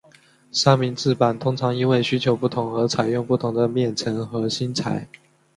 三明治板通常因为需求不同而采用不同的面层和芯材。